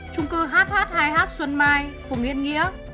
trung cư hh hai h xuân mai phùng yên nghĩa